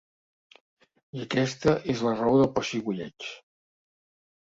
I aquesta és la raó del pessigolleig.